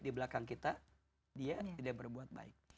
di belakang kita dia tidak berbuat baik